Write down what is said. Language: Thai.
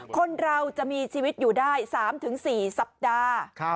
คนเราจะมีชีวิตอยู่ได้๓๔สัปดาห์